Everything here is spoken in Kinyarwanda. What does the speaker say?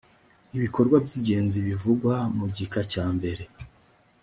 ibikorwa by igenzi bivugwa mu gika cyambere